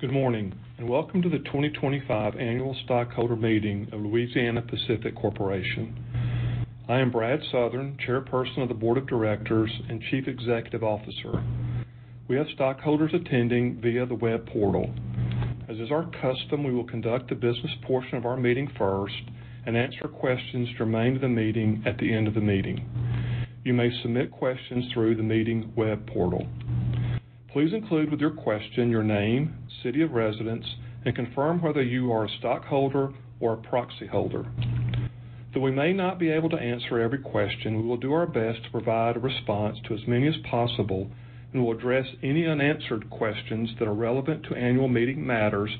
Good morning, and welcome to the 2025 Annual Stockholder Meeting of Louisiana-Pacific Corporation. I am Brad Southern, Chairperson of the Board of Directors and Chief Executive Officer. We have stockholders attending via the web portal. As is our custom, we will conduct the business portion of our meeting first and answer questions germane to the meeting at the end of the meeting. You may submit questions through the meeting web portal. Please include with your question your name, city of residence, and confirm whether you are a stockholder or a proxy holder. Though we may not be able to answer every question, we will do our best to provide a response to as many as possible and will address any unanswered questions that are relevant to annual meeting matters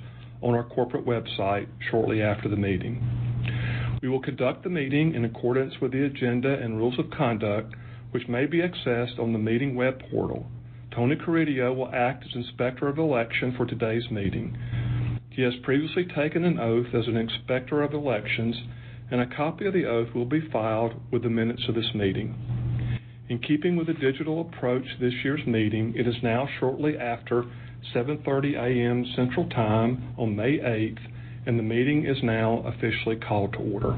on our corporate website shortly after the meeting. We will conduct the meeting in accordance with the agenda and rules of conduct, which may be accessed on the meeting web portal. Tony Carideo will act as Inspector of Election for today's meeting. He has previously taken an oath as an Inspector of Election, and a copy of the oath will be filed with the minutes of this meeting. In keeping with the digital approach to this year's meeting, it is now shortly after 7:30 A.M. Central Time on May 8th, and the meeting is now officially called to order.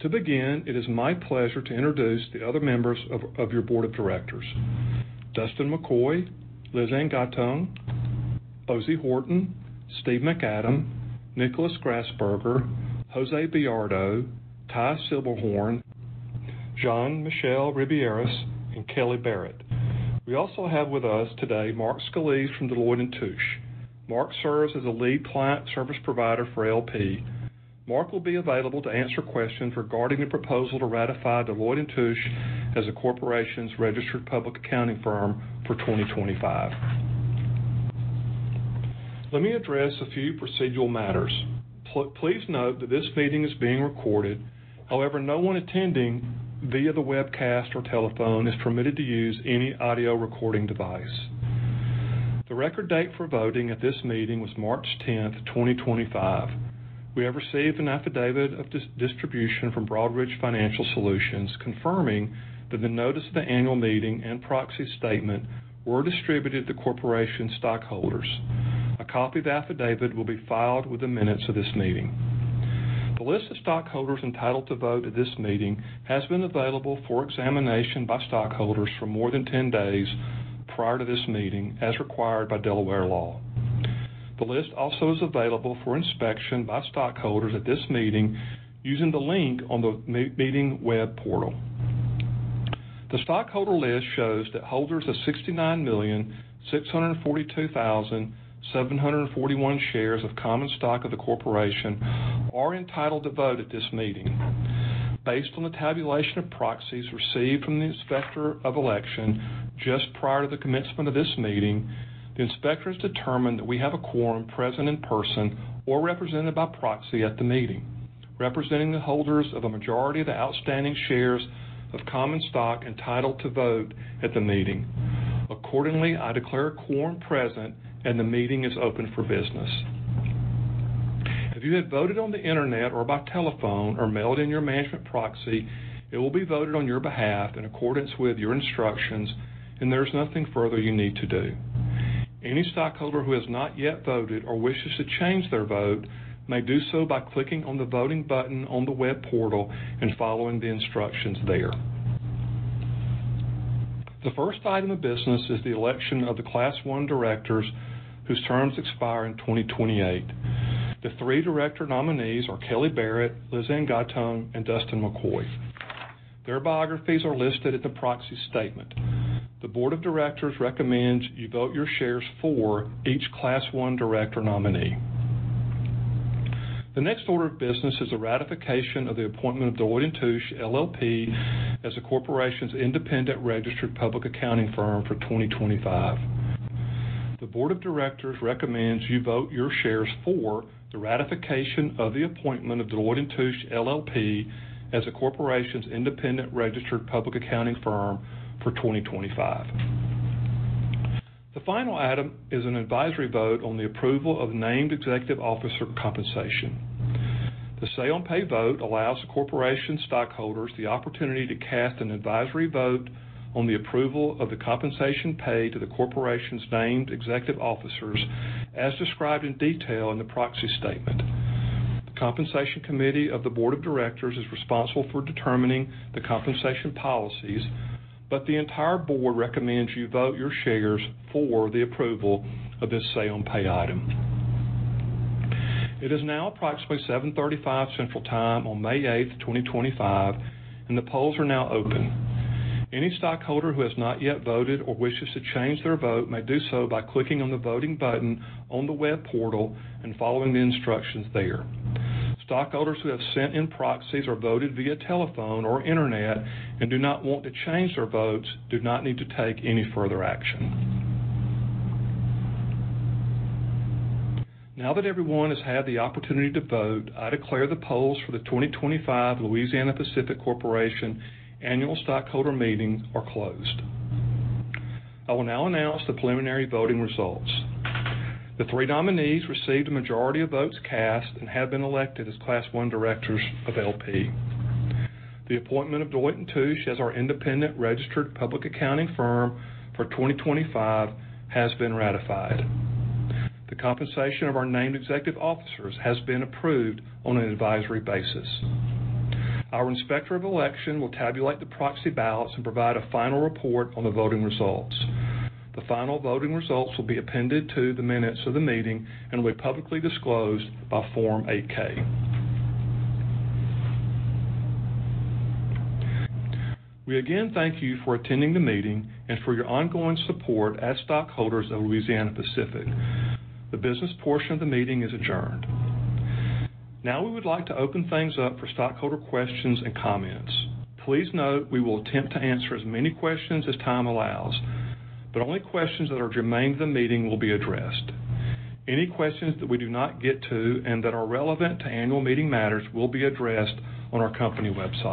To begin, it is my pleasure to introduce the other members of your Board of Directors: Dustan McCoy, Lizanne Gottung, Ozey Horton, Stephen E. Macadam, Nicholas Grasberger, Jose Bayardo, Ty Silberhorn, Jean-Michel Ribiéras, and Kelly Barrett. We also have with us today Mark Scalise from Deloitte & Touche. Mark serves as a lead client service provider for LP. Mark will be available to answer questions regarding the proposal to ratify Deloitte & Touche as the corporation's registered public accounting firm for 2025. Let me address a few procedural matters. Please note that this meeting is being recorded. However, no one attending via the webcast or telephone is permitted to use any audio recording device. The record date for voting at this meeting was March 10th, 2025. We have received an affidavit of distribution from Broadridge Financial Solutions confirming that the notice of the annual meeting and proxy statement were distributed to the corporation's stockholders. A copy of the affidavit will be filed with the minutes of this meeting. The list of stockholders entitled to vote at this meeting has been available for examination by stockholders for more than 10 days prior to this meeting, as required by Delaware law. The list also is available for inspection by stockholders at this meeting using the link on the meeting web portal. The stockholder list shows that holders of 69,642,741 shares of common stock of the corporation are entitled to vote at this meeting. Based on the tabulation of proxies received from the Inspector of Election just prior to the commencement of this meeting, the inspector has determined that we have a quorum present in person or represented by proxy at the meeting, representing the holders of a majority of the outstanding shares of common stock entitled to vote at the meeting. Accordingly, I declare a quorum present, and the meeting is open for business. If you have voted on the internet or by telephone or mailed in your management proxy, it will be voted on your behalf in accordance with your instructions, and there is nothing further you need to do. Any stockholder who has not yet voted or wishes to change their vote may do so by clicking on the voting button on the web portal and following the instructions there. The first item of business is the election of the class one directors whose terms expire in 2028. The three director nominees are Kelly Barrett, Lizanne Gottung, and Dustan McCoy. Their biographies are listed at the proxy statement. The Board of Directors recommends you vote your shares for each class one director nominee. The next order of business is the ratification of the appointment of Deloitte & Touche, LLP, as the corporation's independent registered public accounting firm for 2025. The Board of Directors recommends you vote your shares for the ratification of the appointment of Deloitte & Touche, LLP, as the corporation's independent registered public accounting firm for 2025. The final item is an advisory vote on the approval of named executive officer compensation. The say-on-pay vote allows the corporation's stockholders the opportunity to cast an advisory vote on the approval of the compensation paid to the corporation's named executive officers, as described in detail in the proxy statement. The compensation committee of the Board of Directors is responsible for determining the compensation policies, but the entire board recommends you vote your shares for the approval of this say-on-pay item. It is now approximately 7:35 A.M. Central Time on May 8th, 2025, and the polls are now open. Any stockholder who has not yet voted or wishes to change their vote may do so by clicking on the voting button on the web portal and following the instructions there. Stockholders who have sent in proxies or voted via telephone or internet and do not want to change their votes do not need to take any further action. Now that everyone has had the opportunity to vote, I declare the polls for the 2025 Louisiana-Pacific Corporation Annual Stockholder Meeting are closed. I will now announce the preliminary voting results. The three nominees received a majority of votes cast and have been elected as class one directors of LP. The appointment of Deloitte & Touche as our independent registered public accounting firm for 2025 has been ratified. The compensation of our named executive officers has been approved on an advisory basis. Our Inspector of Election will tabulate the proxy ballots and provide a final report on the voting results. The final voting results will be appended to the minutes of the meeting and will be publicly disclosed by Form 8-K. We again thank you for attending the meeting and for your ongoing support as stockholders of Louisiana-Pacific. The business portion of the meeting is adjourned. Now we would like to open things up for stockholder questions and comments. Please note we will attempt to answer as many questions as time allows, but only questions that are germane to the meeting will be addressed. Any questions that we do not get to and that are relevant to annual meeting matters will be addressed on our company website.